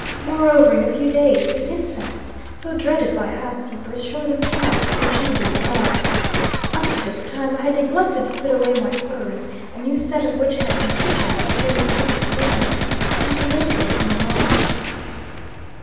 Moreover, in a few days, these insects, so dreaded by housekeepers, showed themselves in the chambers above. Up to this time I had neglected to put away my furs, a new set of which had been purchased during the previous winter. I delayed this no longer.